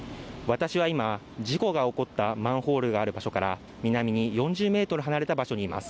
私は今、事故が起こったマンホールがある場所から南に４０ｍ離れた場所にいます。